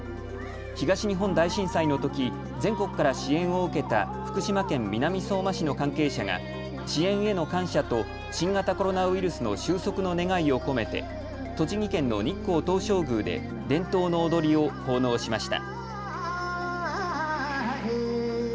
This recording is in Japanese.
東日本大震災のとき全国から支援を受けた福島県南相馬市の関係者が支援への感謝と新型コロナウイルスの終息の願いを込めて栃木県の日光東照宮で伝統の踊りを奉納しました。